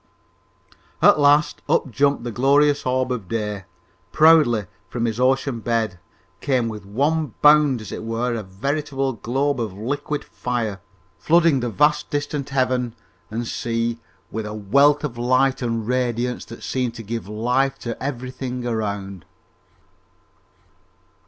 At last, up jumped the glorious orb of day, proudly, from his ocean bed, came with one bound as it were, a veritable globe of liquid fire, flooding the vast distant heaven and sea with a wealth of light and radiance that seemed to give life to everything around.